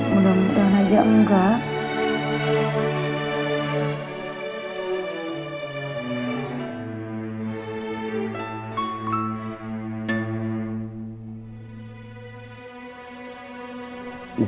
mudah mudahan ajak muka